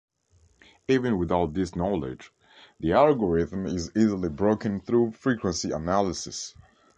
Even without this knowledge, the algorithm is easily broken through frequency analysis.